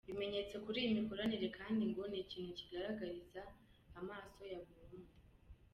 Ibimenyetso kuri iyi mikoranire kandi ngo ni ikintu kigaragarira amaso ya buri umwe.